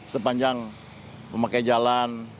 sepanjang pemakai jalan